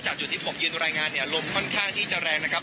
จุดที่ผมยืนรายงานเนี่ยลมค่อนข้างที่จะแรงนะครับ